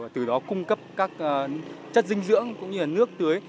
từ đó cung cấp các chất dinh dưỡng cũng như nước tưới